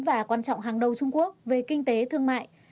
và quan trọng hàng đầu trung quốc về kinh tế thương mại